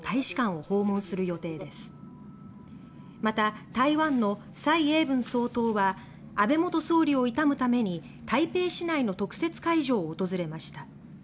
また、台湾の蔡英文総統は安倍元総理を悼むために台北市内の特設会場に訪れました。